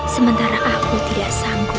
sementara aku tidak sanggup